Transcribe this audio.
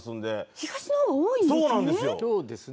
東のほうが多いんですね。